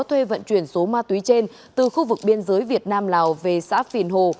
thuê vận chuyển số ma túy trên từ khu vực biên giới việt nam lào về xã phiên hô